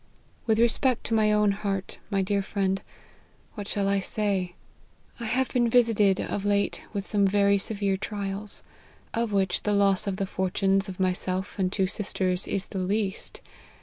With respect to my own heart, my dear friend, what shall I say ? I have LIFE OF HENRY MARTYN. 35 been visited, of late, with some very severe trials ; of which the loss of the fortunes of myself and two sisters is the least.